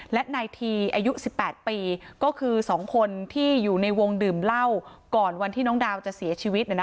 และนายทีอายุ๑๘ปีก็คือ๒คนที่อยู่ในวงดื่มเหล้าก่อนวันที่น้องดาวจะเสียชีวิต